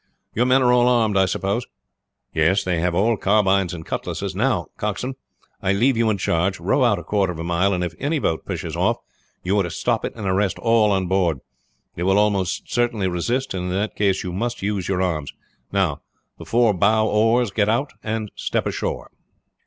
Your men are all armed, I suppose?" "Yes; they have all carbines and cutlasses. Now, coxswain, I leave you in charge. Row out a quarter of a mile, and if any boat pushes off you are to stop it and arrest all on board. They will almost certainly resist, and in that case you must use your arms. Now, the four bow oars get out and step ashore."